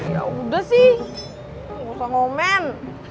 ya udah sih gausah ngomen